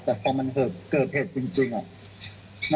แต่พอมันเกิดเหตุจริงอะ